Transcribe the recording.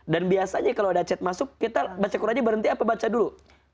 dan biasanya kalau ada chat masuk kita baca qurannya berhenti apa baca dulu